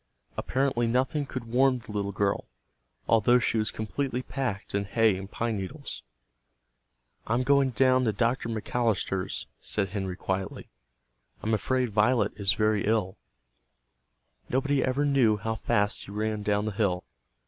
Apparently nothing could warm the little girl, although she was completely packed in hay and pine needles. "I'm going down to Dr. McAllister's," said Henry quietly. "I'm afraid Violet is very ill." Nobody ever knew how fast he ran down the hill.